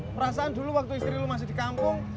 perasaan dulu waktu istri lu masih di kampung